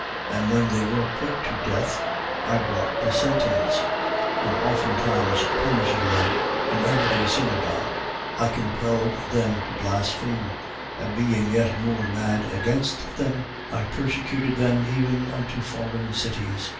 And when they were put to death, I brought the sentence. 26:11. And oftentimes punishing them, in every synagogue, I compelled them to blaspheme: and being yet more mad against them, I persecuted them even unto foreign cities.